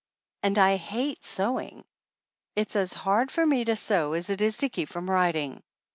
And I hate sewing. It's as hard for roe to sew as it is to keep from writing.